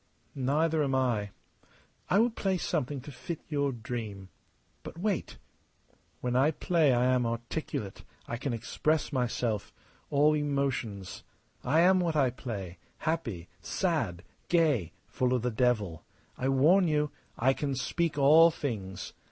"Neither am I. I will play something to fit your dream. But wait! When I play I am articulate. I can express myself all emotions. I am what I play happy, sad, gay, full of the devil. I warn you. I can speak all things.